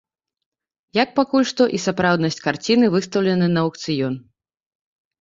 Як, пакуль што, і сапраўднасць карціны, выстаўленай на аўкцыён.